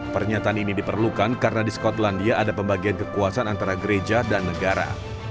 pernyataan ini diperlukan karena di skotlandia ada pembagian kekuasaan antara gereja dan negara